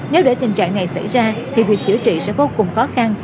nếu để tình trạng này xảy ra thì việc chữa trị sẽ vô cùng khó khăn